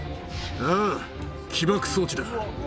ああ起爆装置だ。